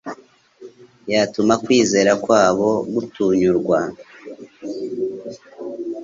yatuma kwizera kwabo gntunyurwa.